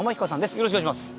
よろしくお願いします。